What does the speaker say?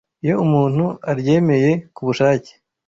Iyo umuntu aryemeye ku bushake,